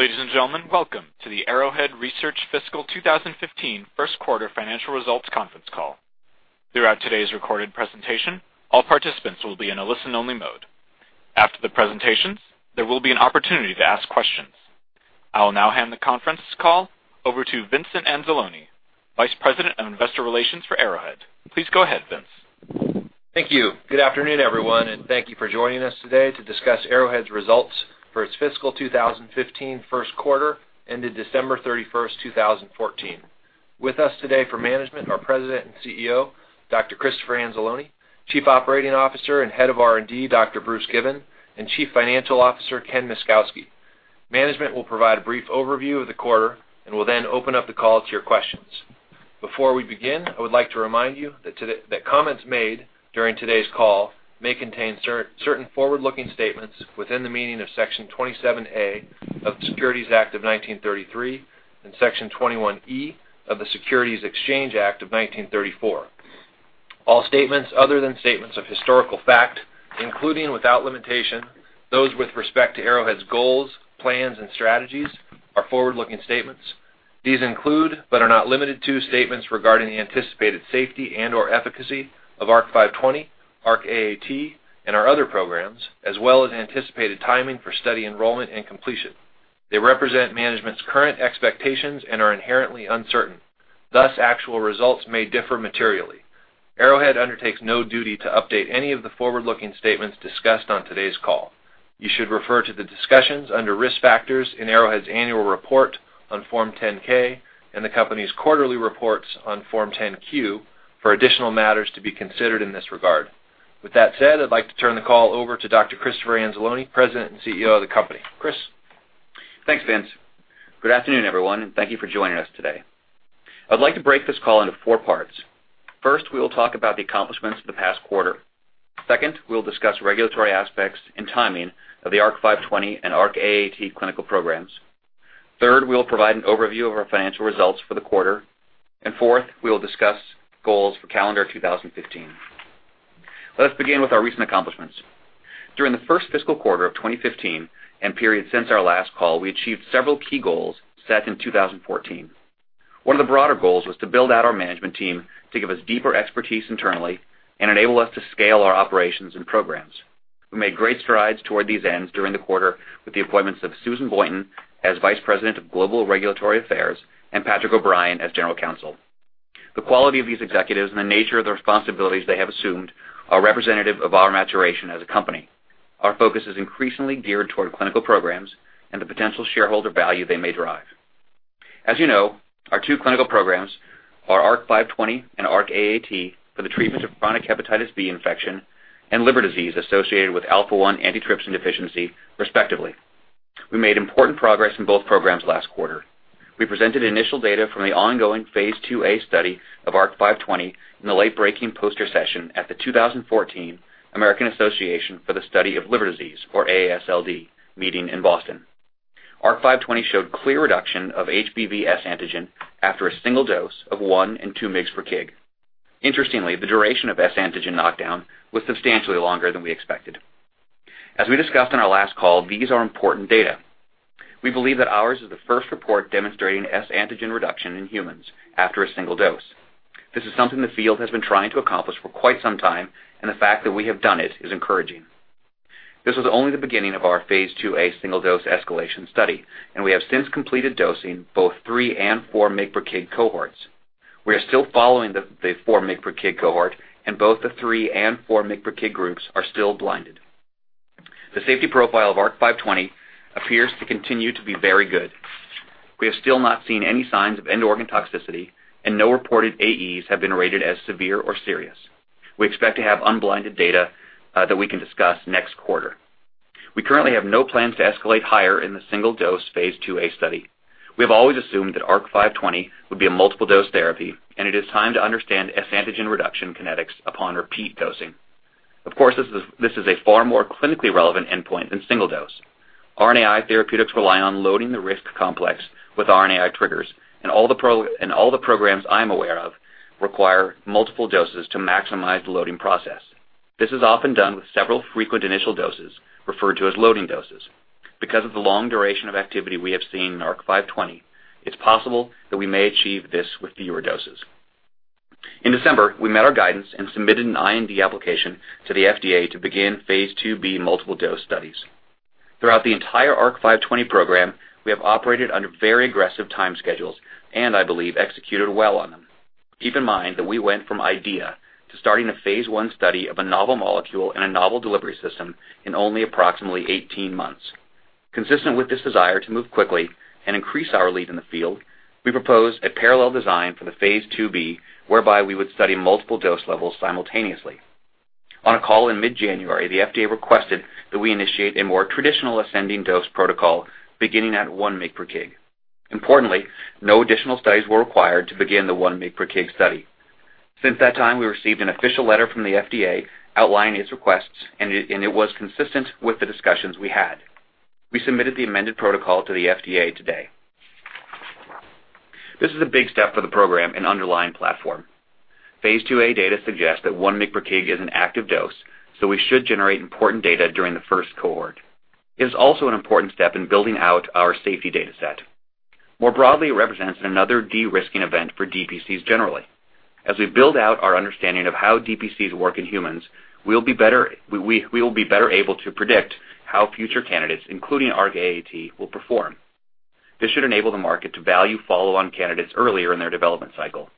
Ladies and gentlemen, welcome to the Arrowhead Research fiscal 2015 first quarter financial results conference call. Throughout today's recorded presentation, all participants will be in a listen-only mode. After the presentations, there will be an opportunity to ask questions. I will now hand the conference call over to Vincent Anzalone, Vice President of Investor Relations for Arrowhead. Please go ahead, Vince. Thank you. Good afternoon, everyone, and thank you for joining us today to discuss Arrowhead's results for its fiscal 2015 first quarter ended December 31, 2014. With us today for management are President and CEO, Dr. Christopher Anzalone, Chief Operating Officer and Head of R&D, Dr. Bruce Given, and Chief Financial Officer, Ken Myszkowski. Management will provide a brief overview of the quarter and will then open up the call to your questions. Before we begin, I would like to remind you that comments made during today's call may contain certain forward-looking statements within the meaning of Section 27A of the Securities Act of 1933 and Section 21E of the Securities Exchange Act of 1934. All statements other than statements of historical fact, including, without limitation, those with respect to Arrowhead's goals, plans, and strategies are forward-looking statements. These include, but are not limited to, statements regarding the anticipated safety and/or efficacy of ARC-520, ARC-AAT, and our other programs, as well as anticipated timing for study enrollment and completion. They represent management's current expectations and are inherently uncertain. Thus, actual results may differ materially. Arrowhead undertakes no duty to update any of the forward-looking statements discussed on today's call. You should refer to the discussions under Risk Factors in Arrowhead's Annual Report on Form 10-K and the company's quarterly reports on Form 10-Q for additional matters to be considered in this regard. With that said, I'd like to turn the call over to Dr. Christopher Anzalone, President and CEO of the company. Chris? Thanks, Vince. Good afternoon, everyone, and thank you for joining us today. I'd like to break this call into four parts. First, we will talk about the accomplishments of the past quarter. Second, we will discuss regulatory aspects and timing of the ARC-520 and ARC-AAT clinical programs. Third, we will provide an overview of our financial results for the quarter. Fourth, we will discuss goals for calendar 2015. Let us begin with our recent accomplishments. During the first fiscal quarter of 2015 and period since our last call, we achieved several key goals set in 2014. One of the broader goals was to build out our management team to give us deeper expertise internally and enable us to scale our operations and programs. We made great strides toward these ends during the quarter with the appointments of Susan Boynton as Vice President of Global Regulatory Affairs and Patrick O'Brien as General Counsel. The quality of these executives and the nature of the responsibilities they have assumed are representative of our maturation as a company. Our focus is increasingly geared toward clinical programs and the potential shareholder value they may derive. As you know, our two clinical programs are ARC-520 and ARC-AAT for the treatment of chronic hepatitis B infection and liver disease associated with alpha-1 antitrypsin deficiency, respectively. We made important progress in both programs last quarter. We presented initial data from the ongoing phase IIa study of ARC-520 in the late-breaking poster session at the 2014 American Association for the Study of Liver Diseases, or AASLD meeting in Boston. ARC-520 showed clear reduction of HBV S antigen after a single dose of one and two mg per kg. The duration of S antigen knockdown was substantially longer than we expected. As we discussed on our last call, these are important data. We believe that ours is the first report demonstrating S antigen reduction in humans after a single dose. This is something the field has been trying to accomplish for quite some time, and the fact that we have done it is encouraging. This was only the beginning of our phase IIa single-dose escalation study, and we have since completed dosing both three and four mg per kg cohorts. We are still following the four mg per kg cohort, and both the three and four mg per kg groups are still blinded. The safety profile of ARC-520 appears to continue to be very good. We have still not seen any signs of end organ toxicity and no reported AEs have been rated as severe or serious. We expect to have unblinded data that we can discuss next quarter. We currently have no plans to escalate higher in the single-dose phase IIa study. We have always assumed that ARC-520 would be a multiple-dose therapy, and it is time to understand S antigen reduction kinetics upon repeat dosing. This is a far more clinically relevant endpoint than single dose. RNAi therapeutics rely on loading the RISC complex with RNAi triggers and all the programs I'm aware of require multiple doses to maximize the loading process. This is often done with several frequent initial doses referred to as loading doses. Because of the long duration of activity we have seen in ARC-520, it's possible that we may achieve this with fewer doses. In December, we met our guidance and submitted an IND application to the FDA to begin phase IIb multiple-dose studies. Throughout the entire ARC-520 program, we have operated under very aggressive time schedules and I believe executed well on them. Keep in mind that we went from idea to starting a phase I study of a novel molecule and a novel delivery system in only approximately 18 months. Consistent with this desire to move quickly and increase our lead in the field, we proposed a parallel design for the phase IIb, whereby we would study multiple dose levels simultaneously. On a call in mid-January, the FDA requested that we initiate a more traditional ascending dose protocol beginning at one mg per kg. No additional studies were required to begin the one mg per kg study. Since that time, we received an official letter from the FDA outlining its requests, and it was consistent with the discussions we had. We submitted the amended protocol to the FDA today. This is a big step for the program and underlying platform. Phase IIa data suggests that 1 mg per kg is an active dose, so we should generate important data during the first cohort. It is also an important step in building out our safety data set. More broadly, it represents another de-risking event for DPCs generally. As we build out our understanding of how DPCs work in humans, we will be better able to predict how future candidates, including ARC-AAT, will perform. This should enable the market to value follow-on candidates earlier in their development cycle.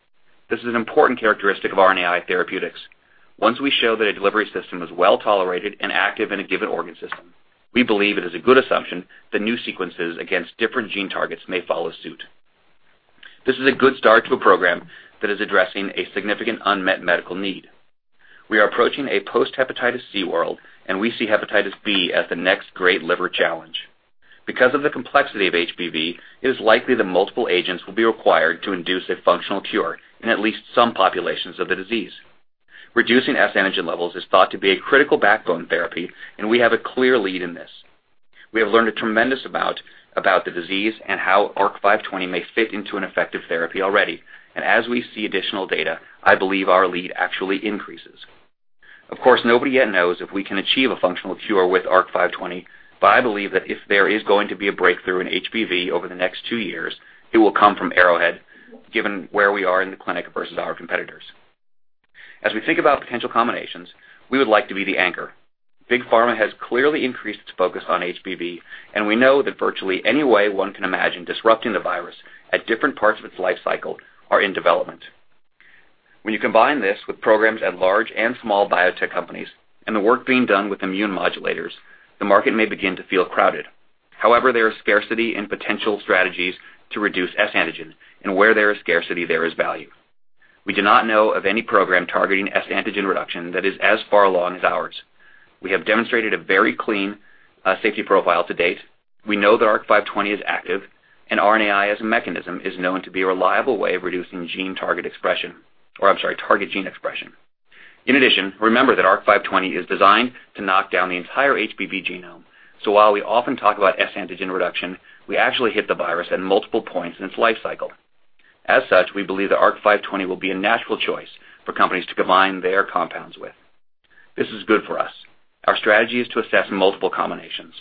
This is an important characteristic of RNAi therapeutics. Once we show that a delivery system is well-tolerated and active in a given organ system, we believe it is a good assumption that new sequences against different gene targets may follow suit. This is a good start to a program that is addressing a significant unmet medical need. We are approaching a post-hepatitis C world, and we see hepatitis B as the next great liver challenge. Because of the complexity of HBV, it is likely that multiple agents will be required to induce a functional cure in at least some populations of the disease. Reducing S antigen levels is thought to be a critical backbone therapy, and we have a clear lead in this. We have learned a tremendous amount about the disease and how ARC-520 may fit into an effective therapy already. As we see additional data, I believe our lead actually increases. Of course, nobody yet knows if we can achieve a functional cure with ARC-520, but I believe that if there is going to be a breakthrough in HBV over the next two years, it will come from Arrowhead, given where we are in the clinic versus our competitors. As we think about potential combinations, we would like to be the anchor. Big pharma has clearly increased its focus on HBV, and we know that virtually any way one can imagine disrupting the virus at different parts of its life cycle are in development. When you combine this with programs at large and small biotech companies and the work being done with immune modulators, the market may begin to feel crowded. However, there is scarcity in potential strategies to reduce S antigen. Where there is scarcity, there is value. We do not know of any program targeting S antigen reduction that is as far along as ours. We have demonstrated a very clean safety profile to date. We know that ARC-520 is active, and RNAi as a mechanism is known to be a reliable way of reducing gene target expression. Or I'm sorry, target gene expression. In addition, remember that ARC-520 is designed to knock down the entire HBV genome. While we often talk about S antigen reduction, we actually hit the virus at multiple points in its life cycle. As such, we believe that ARC-520 will be a natural choice for companies to combine their compounds with. This is good for us. Our strategy is to assess multiple combinations.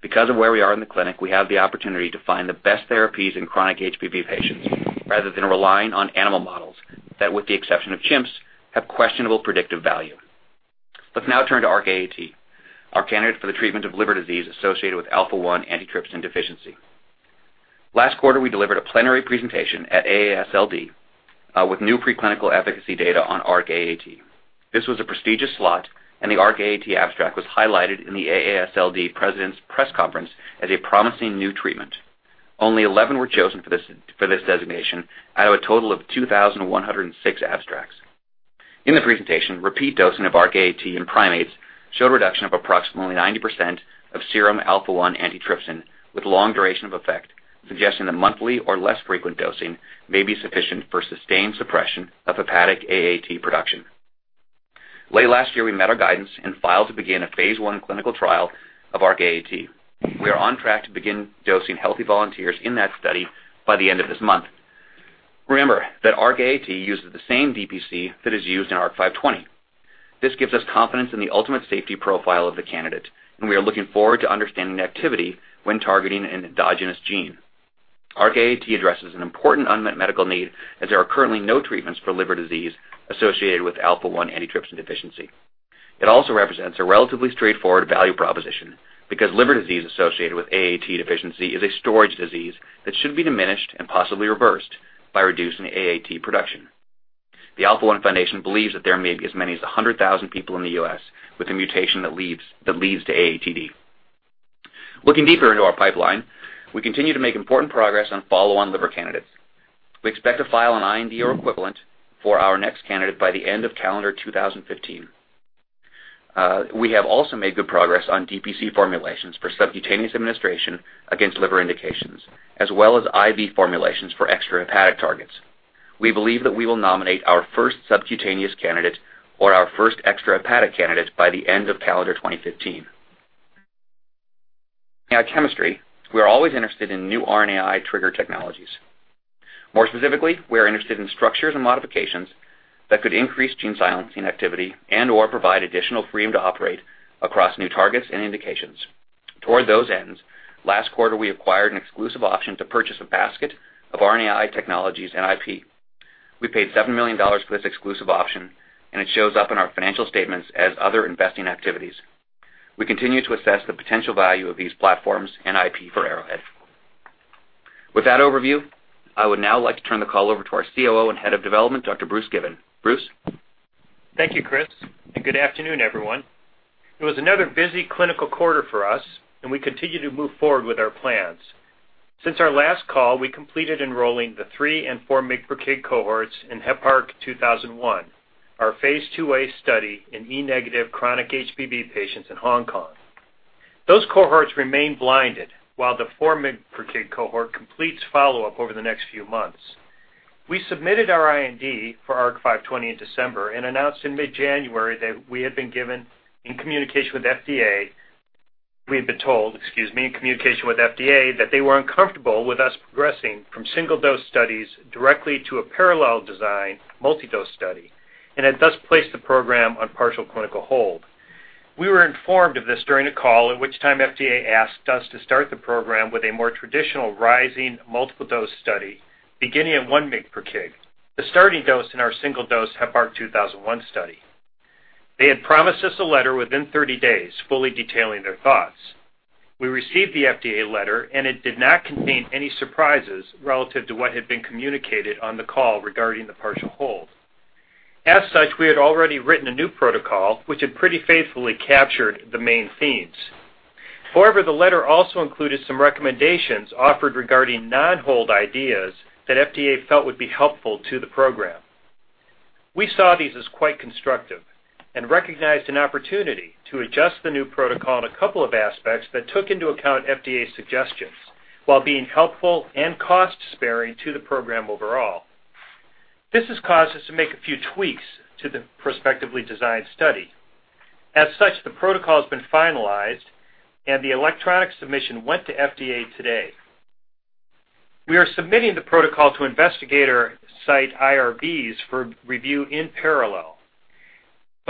Because of where we are in the clinic, we have the opportunity to find the best therapies in chronic HBV patients rather than relying on animal models that, with the exception of chimps, have questionable predictive value. Let's now turn to ARC-AAT, our candidate for the treatment of liver disease associated with alpha-1 antitrypsin deficiency. Last quarter, we delivered a plenary presentation at AASLD with new preclinical efficacy data on ARC-AAT. This was a prestigious slot, and the ARC-AAT abstract was highlighted in the AASLD President's press conference as a promising new treatment. Only 11 were chosen for this designation out of a total of 2,106 abstracts. In the presentation, repeat dosing of ARC-AAT in primates showed a reduction of approximately 90% of serum alpha-1 antitrypsin with long duration of effect, suggesting that monthly or less frequent dosing may be sufficient for sustained suppression of hepatic AAT production. Late last year, we met our guidance and filed to begin a phase I clinical trial of ARC-AAT. We are on track to begin dosing healthy volunteers in that study by the end of this month. Remember that ARC-AAT uses the same DPC that is used in ARC-520. This gives us confidence in the ultimate safety profile of the candidate, and we are looking forward to understanding the activity when targeting an endogenous gene. ARC-AAT addresses an important unmet medical need, as there are currently no treatments for liver disease associated with alpha-1 antitrypsin deficiency. It also represents a relatively straightforward value proposition because liver disease associated with AAT deficiency is a storage disease that should be diminished and possibly reversed by reducing AAT production. The Alpha-1 Foundation believes that there may be as many as 100,000 people in the U.S. with a mutation that leads to AATD. Looking deeper into our pipeline, we continue to make important progress on follow-on liver candidates. We expect to file an IND or equivalent for our next candidate by the end of calendar 2015. We have also made good progress on DPC formulations for subcutaneous administration against liver indications as well as IV formulations for extrahepatic targets. We believe that we will nominate our first subcutaneous candidate or our first extrahepatic candidate by the end of calendar 2015. In our chemistry, we are always interested in new RNAi trigger technologies. More specifically, we are interested in structures and modifications that could increase gene silencing activity and/or provide additional freedom to operate across new targets and indications. Toward those ends, last quarter we acquired an exclusive option to purchase a basket of RNAi technologies and IP. We paid $7 million for this exclusive option, and it shows up in our financial statements as other investing activities. We continue to assess the potential value of these platforms and IP for Arrowhead. With that overview, I would now like to turn the call over to our COO and Head of Development, Dr. Bruce Given. Bruce? Thank you, Chris, and good afternoon, everyone. It was another busy clinical quarter for us, and we continue to move forward with our plans. Since our last call, we completed enrolling the three and four mg per kg cohorts in Heparc-2001, our phase IIa study in HBeAg-negative chronic HBV patients in Hong Kong. Those cohorts remain blinded while the four mg per kg cohort completes follow-up over the next few months. We submitted our IND for ARC-520 in December and announced in mid-January that We've been told, excuse me, in communication with FDA that they were uncomfortable with us progressing from single-dose studies directly to a parallel design multi-dose study, and had thus placed the program on partial clinical hold. We were informed of this during a call, at which time FDA asked us to start the program with a more traditional rising multiple dose study, beginning at one mg per kg, the starting dose in our single dose Heparc-2001 study. They had promised us a letter within 30 days fully detailing their thoughts. We received the FDA letter, and it did not contain any surprises relative to what had been communicated on the call regarding the partial hold. As such, we had already written a new protocol, which had pretty faithfully captured the main themes. However, the letter also included some recommendations offered regarding non-hold ideas that FDA felt would be helpful to the program. We saw these as quite constructive and recognized an opportunity to adjust the new protocol in a couple of aspects that took into account FDA's suggestions while being helpful and cost-sparing to the program overall. This has caused us to make a few tweaks to the prospectively designed study. As such, the protocol has been finalized, and the electronic submission went to FDA today. We are submitting the protocol to investigator site IRBs for review in parallel.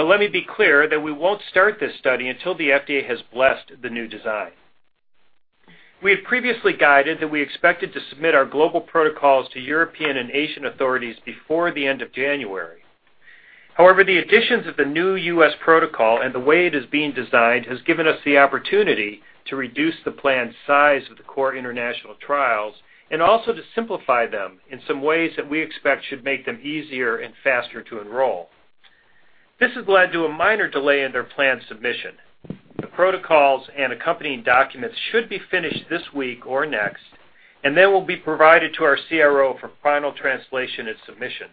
Let me be clear that we won't start this study until the FDA has blessed the new design. We had previously guided that we expected to submit our global protocols to European and Asian authorities before the end of January. However, the additions of the new U.S. protocol and the way it is being designed has given us the opportunity to reduce the planned size of the core international trials and also to simplify them in some ways that we expect should make them easier and faster to enroll. This has led to a minor delay in their planned submission. The protocols and accompanying documents should be finished this week or next, and then will be provided to our CRO for final translation and submission.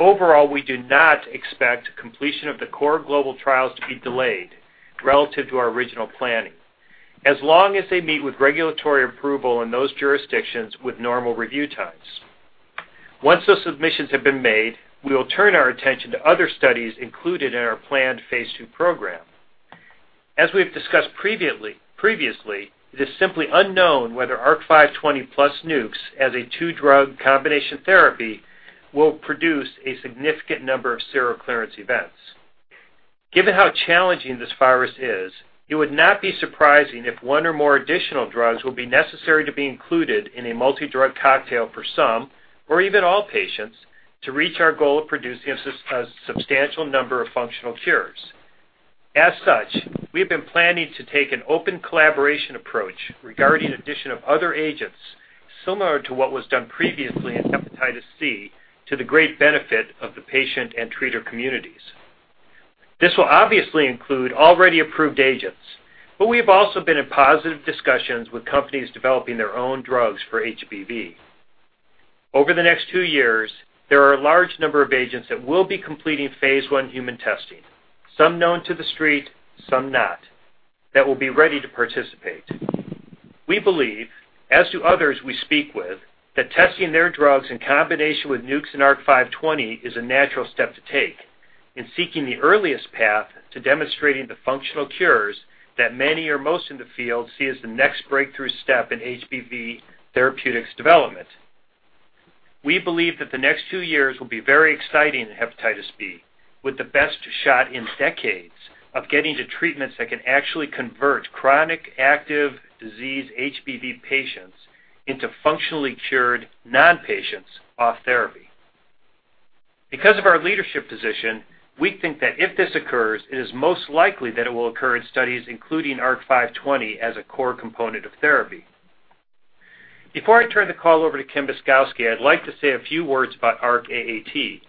Overall, we do not expect completion of the core global trials to be delayed relative to our original planning. As long as they meet with regulatory approval in those jurisdictions with normal review times. Once those submissions have been made, we will turn our attention to other studies included in our planned phase II program. As we've discussed previously, it is simply unknown whether ARC-520 plus Nucs as a two-drug combination therapy will produce a significant number of seroclearance events. Given how challenging this virus is, it would not be surprising if one or more additional drugs will be necessary to be included in a multi-drug cocktail for some, or even all patients, to reach our goal of producing a substantial number of functional cures. As such, we have been planning to take an open collaboration approach regarding addition of other agents, similar to what was done previously in hepatitis C, to the great benefit of the patient and treater communities. This will obviously include already approved agents, but we have also been in positive discussions with companies developing their own drugs for HBV. Over the next two years, there are a large number of agents that will be completing phase I human testing, some known to the street, some not, that will be ready to participate. We believe, as do others we speak with, that testing their drugs in combination with Nucs and ARC-520 is a natural step to take in seeking the earliest path to demonstrating the functional cures that many or most in the field see as the next breakthrough step in HBV therapeutics development. We believe that the next two years will be very exciting in hepatitis B, with the best shot in decades of getting to treatments that can actually convert chronic active disease HBV patients into functionally cured non-patients off therapy. Because of our leadership position, we think that if this occurs, it is most likely that it will occur in studies including ARC-520 as a core component of therapy. Before I turn the call over to Ken Myszkowski, I'd like to say a few words about ARC-AAT.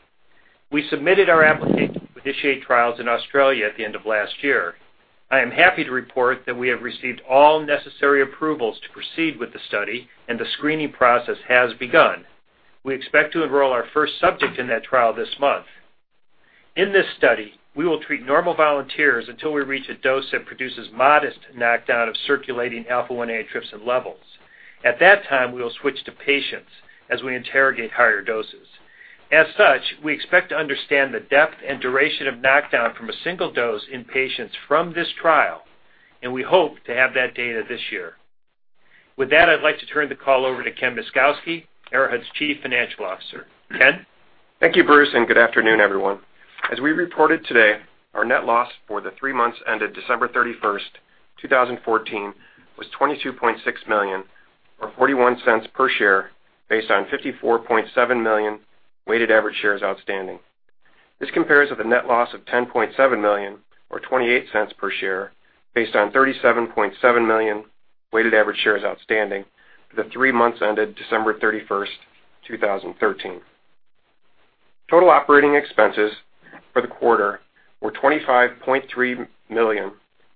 We submitted our application to initiate trials in Australia at the end of last year. I am happy to report that we have received all necessary approvals to proceed with the study, and the screening process has begun. We expect to enroll our first subject in that trial this month. In this study, we will treat normal volunteers until we reach a dose that produces modest knockdown of circulating alpha-1 antitrypsin levels. At that time, we will switch to patients as we interrogate higher doses. As such, we expect to understand the depth and duration of knockdown from a single dose in patients from this trial, and we hope to have that data this year. With that, I'd like to turn the call over to Ken Myszkowski, Arrowhead's Chief Financial Officer. Ken? Thank you, Bruce, and good afternoon, everyone. As we reported today, our net loss for the three months ended December 31st, 2014, was $22.6 million, or $0.41 per share, based on 54.7 million weighted average shares outstanding. This compares with a net loss of $10.7 million, or $0.28 per share, based on 37.7 million weighted average shares outstanding for the three months ended December 31st, 2013. Total operating expenses for the quarter were $25.3 million,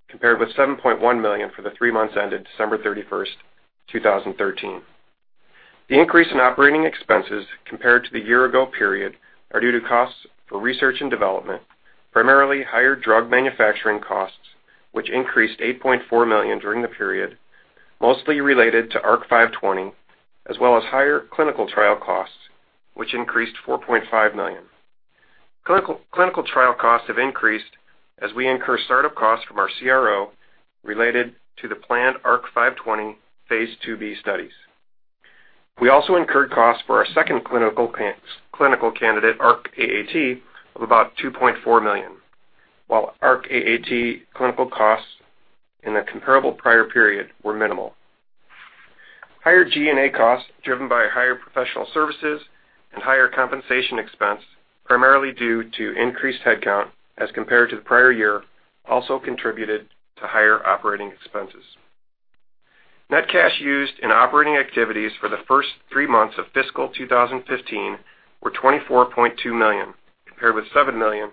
compared with $7.1 million for the three months ended December 31st, 2013. The increase in operating expenses compared to the year-ago period are due to costs for research and development, primarily higher drug manufacturing costs, which increased $8.4 million during the period, mostly related to ARC-520, as well as higher clinical trial costs, which increased $4.5 million. Clinical trial costs have increased as we incur startup costs from our CRO related to the planned ARC-520 phase IIb studies. We also incurred costs for our second clinical candidate, ARC-AAT, of about $2.4 million, while ARC-AAT clinical costs in the comparable prior period were minimal. Higher G&A costs, driven by higher professional services and higher compensation expense, primarily due to increased headcount as compared to the prior year, also contributed to higher operating expenses. Net cash used in operating activities for the first three months of fiscal 2015 were $24.2 million, compared with $7 million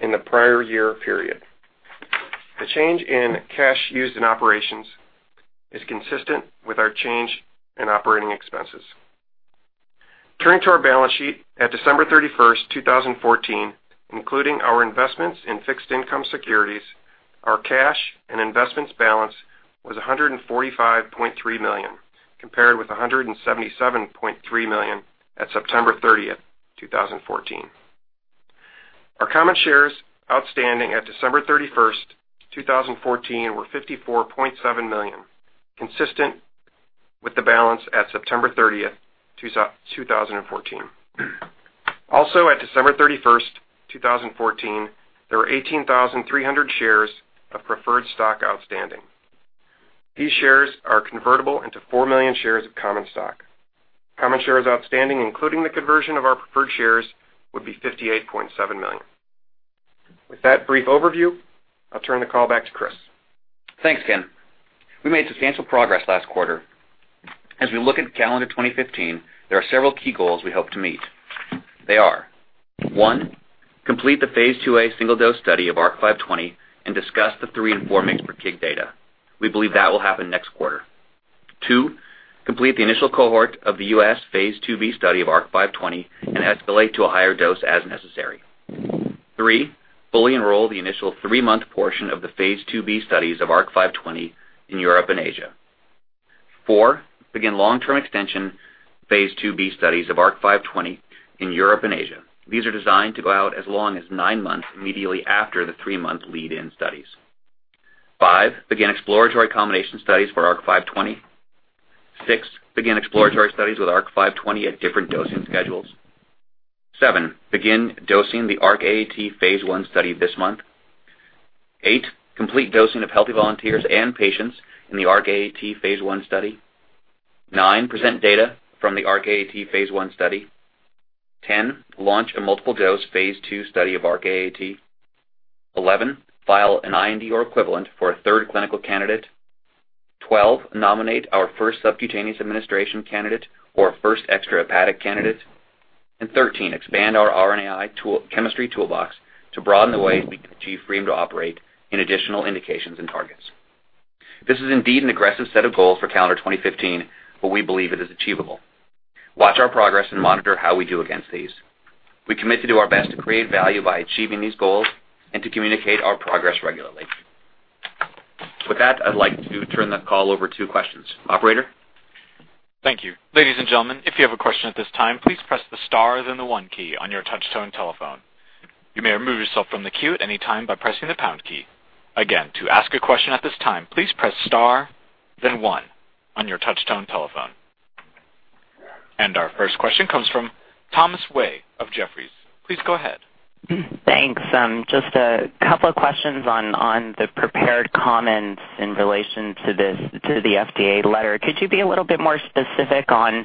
in the prior year period. The change in cash used in operations is consistent with our change in operating expenses. Turning to our balance sheet at December 31st, 2014, including our investments in fixed income securities, our cash and investments balance was $145.3 million, compared with $177.3 million at September 30th, 2014. Our common shares outstanding at December 31st, 2014, were 54.7 million, consistent with the balance at September 30th, 2014. Also, at December 31st, 2014, there were 18,300 shares of preferred stock outstanding. These shares are convertible into 4 million shares of common stock. Common shares outstanding, including the conversion of our preferred shares, would be 58.7 million. With that brief overview, I'll turn the call back to Chris. Thanks, Ken. We made substantial progress last quarter. As we look at calendar 2015, there are several key goals we hope to meet. They are, 1, complete the phase IIa single-dose study of ARC-520 and discuss the 3 and 4 mg per kg data. We believe that will happen next quarter. 2, complete the initial cohort of the U.S. phase IIb study of ARC-520 and escalate to a higher dose as necessary. 3, fully enroll the initial three-month portion of the phase IIb studies of ARC-520 in Europe and Asia. 4, begin long-term extension phase IIb studies of ARC-520 in Europe and Asia. These are designed to go out as long as nine months immediately after the three-month lead-in studies. 5, begin exploratory combination studies for ARC-520. 6, begin exploratory studies with ARC-520 at different dosing schedules. 7, begin dosing the ARC-AAT phase I study this month. Eight, complete dosing of healthy volunteers and patients in the ARC-AAT phase I study. Nine, present data from the ARC-AAT phase I study. 10, launch a multiple dose phase II study of ARC-AAT. 11, file an IND or equivalent for a third clinical candidate. 12, nominate our first subcutaneous administration candidate or first extrahepatic candidate. 13, expand our RNAi chemistry toolbox to broaden the ways we can achieve freedom to operate in additional indications and targets. This is indeed an aggressive set of goals for calendar 2015, but we believe it is achievable. Watch our progress and monitor how we do against these. We commit to do our best to create value by achieving these goals and to communicate our progress regularly. With that, I'd like to turn the call over to questions. Operator? Thank you. Ladies and gentlemen, if you have a question at this time, please press the star, then the one key on your touchtone telephone. You may remove yourself from the queue at any time by pressing the pound key. Again, to ask a question at this time, please press star, then one on your touchtone telephone. Our first question comes from Thomas Wei of Jefferies. Please go ahead. Thanks. Just a couple of questions on the prepared comments in relation to the FDA letter. Could you be a little bit more specific on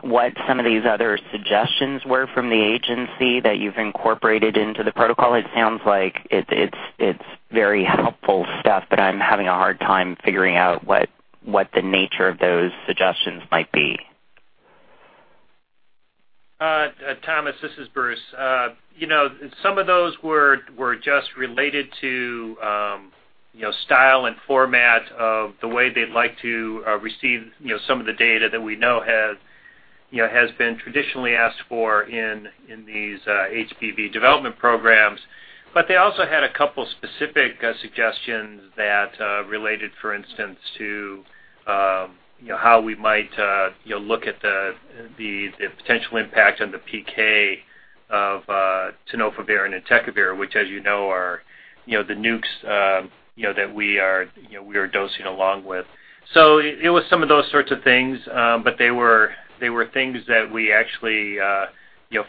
what some of these other suggestions were from the agency that you've incorporated into the protocol? It sounds like it's very helpful stuff, but I'm having a hard time figuring out what the nature of those suggestions might be. Thomas, this is Bruce. Some of those were just related to style and format of the way they'd like to receive some of the data that we know has been traditionally asked for in these HBV development programs. They also had a couple specific suggestions that related, for instance, to how we might look at the potential impact on the PK of tenofovir and entecavir, which as you know are the Nucs that we are dosing along with. It was some of those sorts of things, but they were things that we actually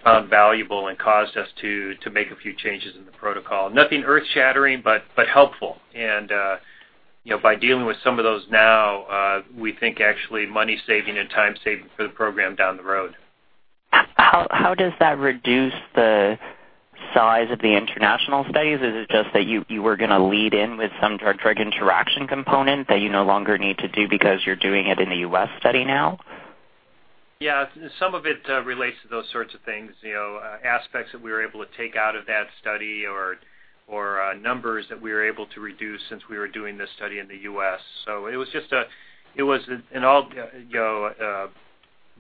found valuable and caused us to make a few changes in the protocol. Nothing earth-shattering, but helpful. By dealing with some of those now, we think actually money saving and time saving for the program down the road. How does that reduce the size of the international studies? Is it just that you were going to lead in with some drug-drug interaction component that you no longer need to do because you're doing it in the U.S. study now? Yeah. Some of it relates to those sorts of things, aspects that we were able to take out of that study or numbers that we were able to reduce since we were doing this study in the U.S. It was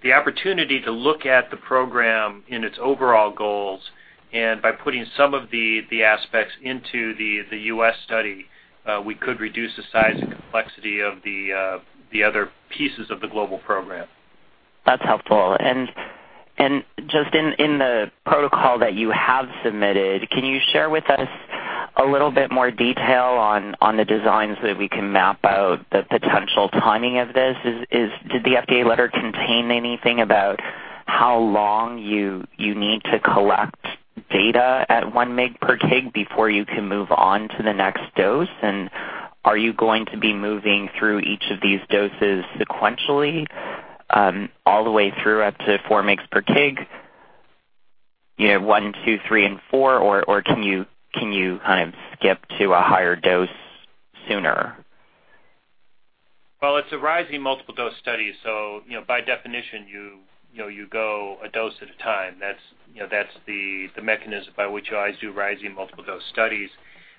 the opportunity to look at the program in its overall goals, and by putting some of the aspects into the U.S. study, we could reduce the size and complexity of the other pieces of the global program. That's helpful. Just in the protocol that you have submitted, can you share with us a little bit more detail on the designs so that we can map out the potential timing of this? Did the FDA letter contain anything about how long you need to collect data at one mg per kg before you can move on to the next dose? Are you going to be moving through each of these doses sequentially, all the way through up to four mgs per kg? One, two, three, and four, or can you kind of skip to a higher dose sooner? Well, it's a rising multiple dose study, so by definition, you go a dose at a time. That's the mechanism by which you always do rising multiple dose studies.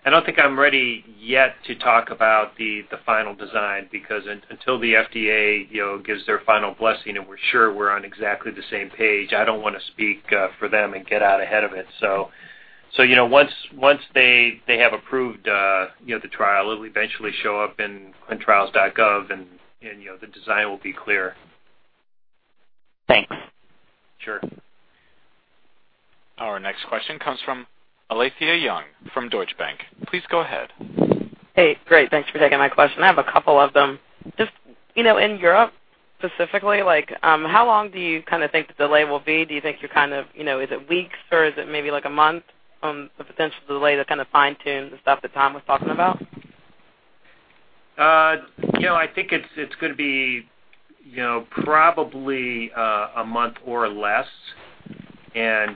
I don't think I'm ready yet to talk about the final design, because until the FDA gives their final blessing and we're sure we're on exactly the same page, I don't want to speak for them and get out ahead of it. Once they have approved the trial, it'll eventually show up in ClinicalTrials.gov, and the design will be clear. Thanks. Sure. Our next question comes from Alethia Young from Deutsche Bank. Please go ahead. Hey. Great. Thanks for taking my question. I have a couple of them. Just in Europe specifically, how long do you think the delay will be? Is it weeks or is it maybe a month on the potential delay to kind of fine-tune the stuff that Tom was talking about? I think it's going to be probably a month or less. As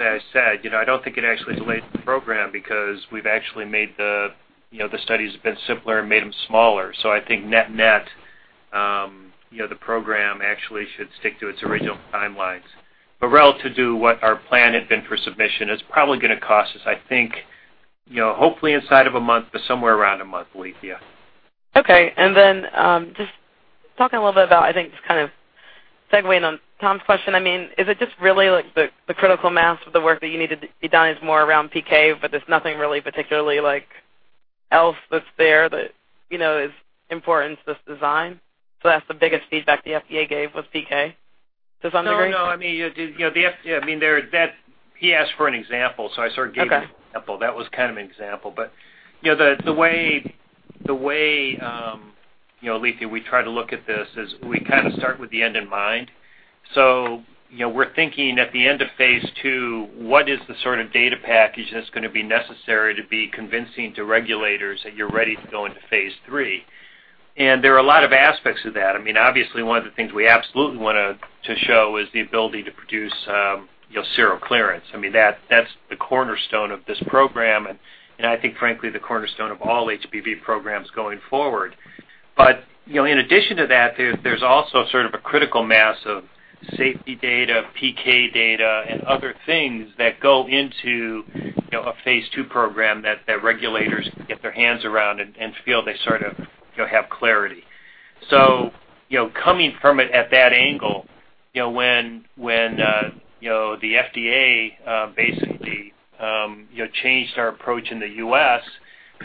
I said, I don't think it actually delays the program because we've actually made the studies a bit simpler and made them smaller. I think net-net, the program actually should stick to its original timelines. Relative to what our plan had been for submission, it's probably going to cost us, I think, hopefully inside of a month, but somewhere around a month, Alethia. Okay. Just talking a little bit about, I think just kind of segueing on Tom's question, is it just really the critical mass of the work that you needed to be done is more around PK, but there's nothing really particularly else that's there that is important to this design? That's the biggest feedback the FDA gave was PK to some degree? No. He asked for an example, so I sort of gave him. Okay an example. That was kind of an example. The way, Alethia, we try to look at this is we kind of start with the end in mind. We're thinking at the end of phase II, what is the sort of data package that's going to be necessary to be convincing to regulators that you're ready to go into phase III? There are a lot of aspects of that. Obviously, one of the things we absolutely want to show is the ability to produce seroclearance. That's the cornerstone of this program, and I think frankly, the cornerstone of all HBV programs going forward. In addition to that, there's also sort of a critical mass of safety data, PK data, and other things that go into a phase II program that regulators can get their hands around and feel they sort of have clarity. Coming from it at that angle, when the FDA basically changed our approach in the U.S.,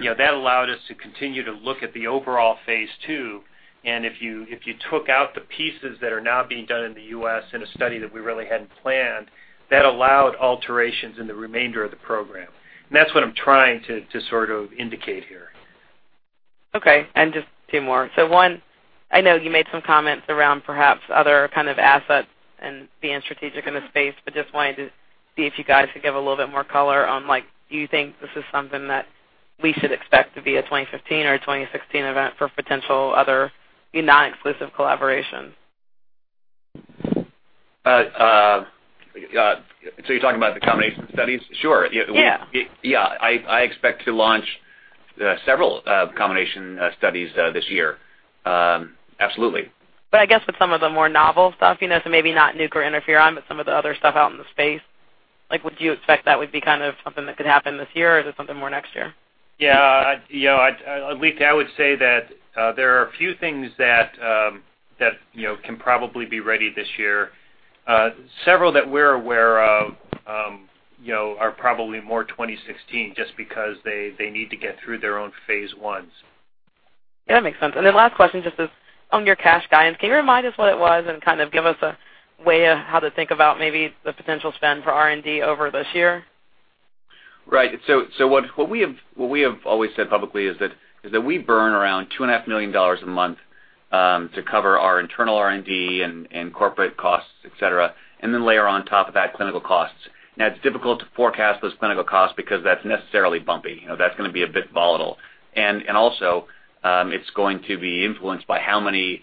that allowed us to continue to look at the overall phase II. If you took out the pieces that are now being done in the U.S. in a study that we really hadn't planned, that allowed alterations in the remainder of the program. That's what I'm trying to sort of indicate here. Okay. Just two more. One, I know you made some comments around perhaps other kind of assets and being strategic in the space, but just wanted to see if you guys could give a little bit more color on, do you think this is something that we should expect to be a 2015 or 2016 event for potential other non-exclusive collaborations? You're talking about the combination studies? Sure. Yeah. Yeah. I expect to launch several combination studies this year. Absolutely. I guess with some of the more novel stuff, so maybe not Nuc or interferon, but some of the other stuff out in the space. Would you expect that would be kind of something that could happen this year, or is it something more next year? Yeah. Alethia, I would say that there are a few things that can probably be ready this year. Several that we're aware of are probably more 2016, just because they need to get through their own phase I. Yeah, that makes sense. Last question, just is on your cash guidance. Can you remind us what it was and kind of give us a way of how to think about maybe the potential spend for R&D over this year? Right. What we have always said publicly is that we burn around $2.5 million a month to cover our internal R&D and corporate costs, et cetera, then layer on top of that clinical costs. It's difficult to forecast those clinical costs because that's necessarily bumpy. That's going to be a bit volatile. It's going to be influenced by how many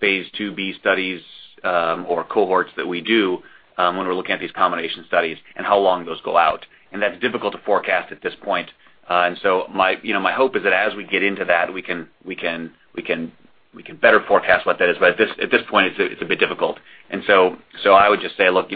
phase IIb studies or cohorts that we do when we're looking at these combination studies and how long those go out. That's difficult to forecast at this point. My hope is that as we get into that, we can better forecast what that is. At this point, it's a bit difficult. I would just say, look,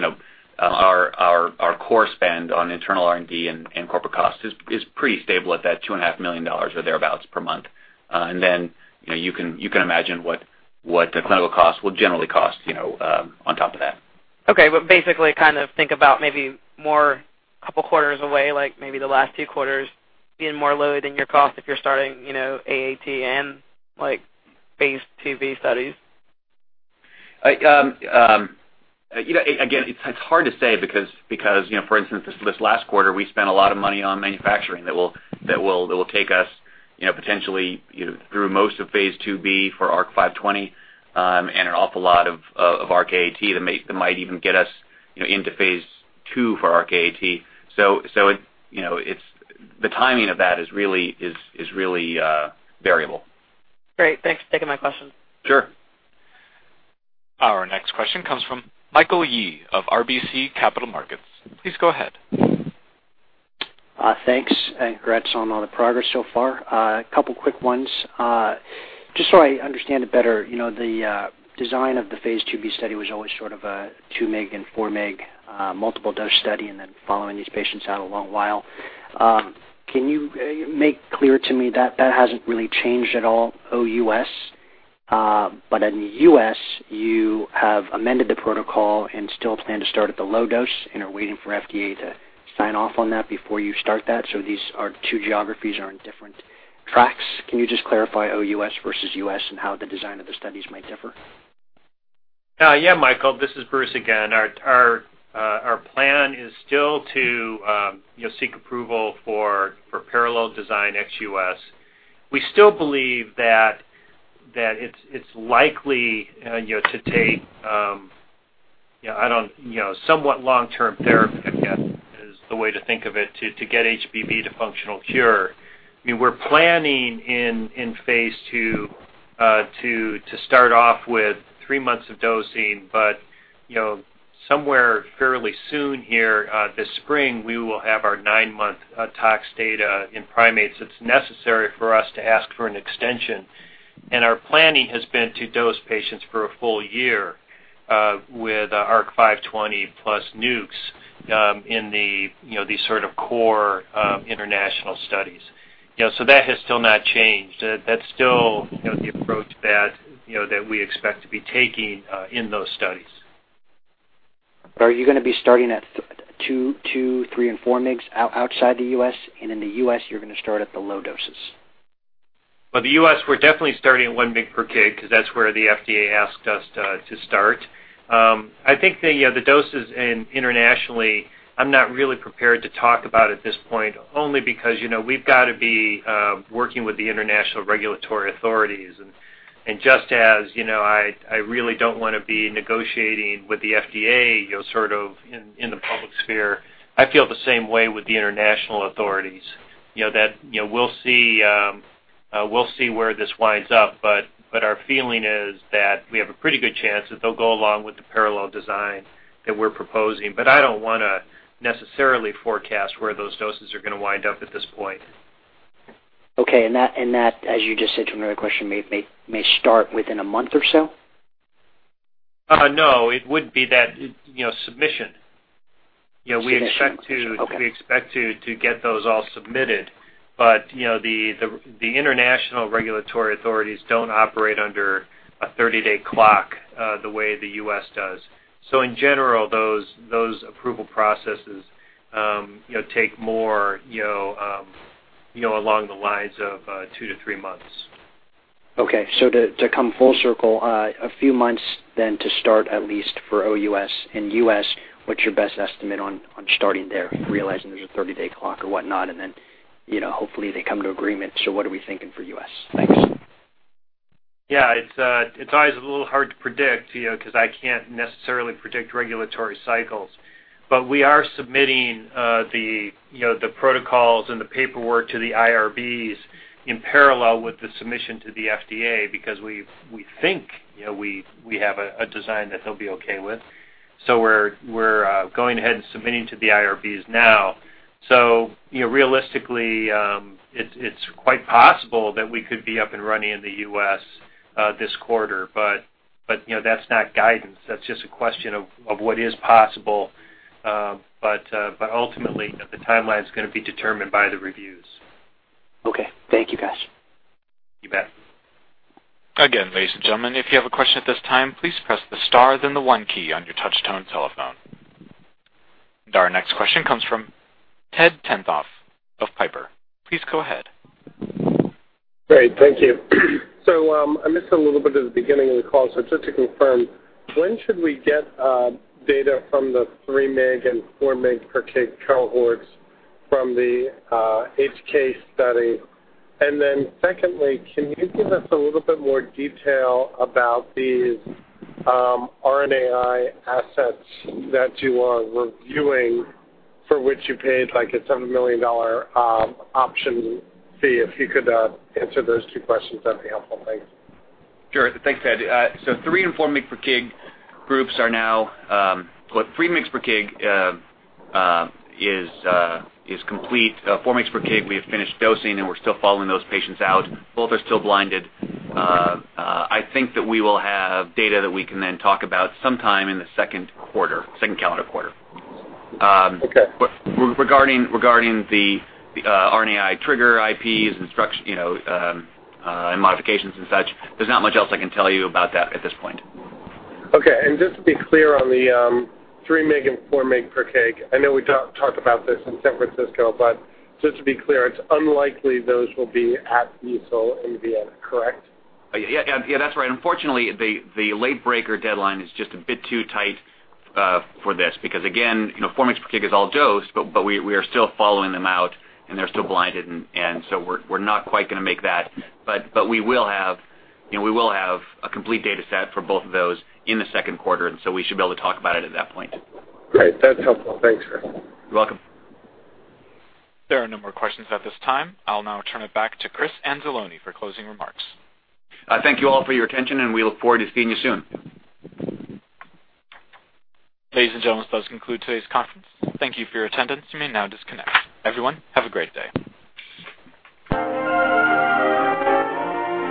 our core spend on internal R&D and corporate costs is pretty stable at that $2.5 million or thereabouts per month. You can imagine what the clinical costs will generally cost on top of that. Basically kind of think about maybe more couple quarters away, maybe the last 2 quarters being more low than your cost if you're starting AAT and phase IIb studies? Again, it's hard to say because for instance, this last quarter, we spent a lot of money on manufacturing that will take us potentially through most of phase IIb for ARC-520, and an awful lot of ARC-AAT that might even get us into phase II for ARC-AAT. The timing of that is really variable. Great. Thanks for taking my question. Sure. Our next question comes from Michael Yee of RBC Capital Markets. Please go ahead. Thanks, congrats on all the progress so far. A couple quick ones. Just so I understand it better, the design of the phase IIb study was always sort of a 2 mg and 4 mg multiple dose study and then following these patients out a long while. Can you make clear to me that that hasn't really changed at all OUS? In the U.S., you have amended the protocol and still plan to start at the low dose and are waiting for FDA to sign off on that before you start that, so these are two geographies are in different tracks. Can you just clarify OUS versus U.S. and how the design of the studies might differ? Yeah, Michael, this is Bruce again. Our plan is still to seek approval for parallel design ex-U.S. We still believe that it's likely to take somewhat long-term therapy, I guess, is the way to think of it, to get HBV to functional cure. We're planning in phase II to start off with 3 months of dosing, but somewhere fairly soon here, this spring, we will have our 9-month tox data in primates that's necessary for us to ask for an extension. Our planning has been to dose patients for a full year with ARC-520 plus nucs in these sort of core international studies. That has still not changed. That's still the approach that we expect to be taking in those studies. Are you going to be starting at two, three, and four mgs outside the U.S., and in the U.S., you're going to start at the low doses? Well, the U.S., we're definitely starting at one mg per kg because that's where the FDA asked us to start. I think the doses internationally, I'm not really prepared to talk about at this point, only because we've got to be working with the international regulatory authorities. Just as I really don't want to be negotiating with the FDA sort of in the public sphere, I feel the same way with the international authorities. We'll see where this winds up, but our feeling is that we have a pretty good chance that they'll go along with the parallel design that we're proposing. I don't want to necessarily forecast where those doses are going to wind up at this point. Okay. That, as you just said to another question, may start within a month or so? No, it would be that submission. Submission. Okay. We expect to get those all submitted. The international regulatory authorities don't operate under a 30-day clock the way the U.S. does. In general, those approval processes take more along the lines of two to three months. Okay. To come full circle, a few months then to start, at least for OUS and U.S., what's your best estimate on starting there, realizing there's a 30-day clock or whatnot, and then hopefully they come to agreement. What are we thinking for U.S.? Thanks. Yeah. It's always a little hard to predict because I can't necessarily predict regulatory cycles. We are submitting the protocols and the paperwork to the IRBs in parallel with the submission to the FDA because we think we have a design that they'll be okay with. We're going ahead and submitting to the IRBs now. Realistically, it's quite possible that we could be up and running in the U.S. this quarter, but that's not guidance. That's just a question of what is possible. Ultimately, the timeline is going to be determined by the reviews. Okay. Thank you, guys. You bet. Again, ladies and gentlemen, if you have a question at this time, please press the star then the one key on your touch tone telephone. Our next question comes from Ted Tenthoff of Piper. Please go ahead. Great. Thank you. I missed a little bit of the beginning of the call, so just to confirm, when should we get data from the 3 mg and 4 mg per kg cohorts from the HK study? Secondly, can you give us a little bit more detail about these RNAi assets that you are reviewing for which you paid a $7 million option fee? If you could answer those two questions, that'd be helpful. Thanks. Sure. Thanks, Ted. 3 and 4 mg per kg groups. 3 mg per kg is complete. 4 mg per kg, we have finished dosing, and we're still following those patients out. Both are still blinded. I think that we will have data that we can then talk about sometime in the second quarter, second calendar quarter. Okay. Regarding the RNAi trigger IPs and modifications and such, there's not much else I can tell you about that at this point. Okay. Just to be clear on the 3 mg and 4 mg per kg, I know we talked about this in San Francisco, just to be clear, it's unlikely those will be at EASL in Vienna, correct? Yeah. That's right. Unfortunately, the late breaker deadline is just a bit too tight for this because again, 4 mgs per kg is all dosed, but we are still following them out and they're still blinded. We're not quite going to make that. We will have a complete data set for both of those in the second quarter. We should be able to talk about it at that point. Great. That's helpful. Thanks, Chris. You're welcome. There are no more questions at this time. I'll now turn it back to Chris Anzalone for closing remarks. Thank you all for your attention, and we look forward to seeing you soon. Ladies and gentlemen, this does conclude today's conference. Thank you for your attendance. You may now disconnect. Everyone, have a great day.